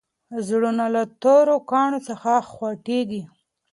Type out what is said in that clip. زړونه له تورو کاڼو څخه خوټېږي.